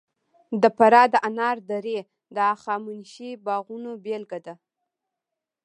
د فراه د انار درې د هخامنشي باغونو بېلګه ده